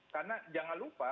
karena jangan lupa